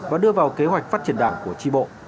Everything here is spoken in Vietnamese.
và đưa vào kế hoạch phát triển đảng của tri bộ